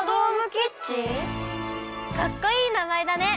かっこいいなまえだね！